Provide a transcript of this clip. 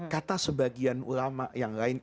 kata sebagian ulama yang lain